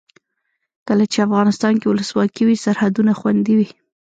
کله چې افغانستان کې ولسواکي وي سرحدونه خوندي وي.